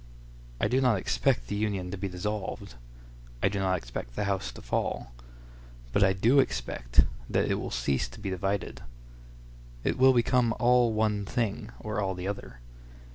I do not expect the Union to be dissolved; I do not expect the house to fall; but I do expect that it will cease to be divided. It will become all one thing, or all the other.